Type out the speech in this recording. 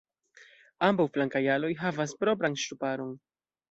Ambaŭ flankaj aloj havas propran ŝtuparon.